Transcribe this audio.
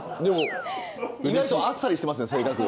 意外とあっさりしてますね性格。